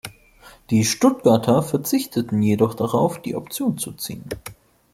Die Stuttgarter verzichteten jedoch darauf, die Option zu ziehen.